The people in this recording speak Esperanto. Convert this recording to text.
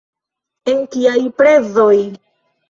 En kiaj prezoj?